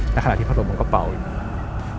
ขณะที่พัดลมมันก็เป่าอยู่